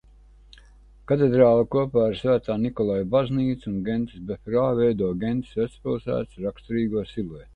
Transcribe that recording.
Katedrāle kopā ar Svētā Nikolaja baznīcu un Gentes befruā veido Gentes vecpilsētas raksturīgo siluetu.